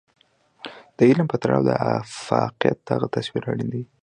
د علم په تړاو د افاقيت دغه تصور اړين دی.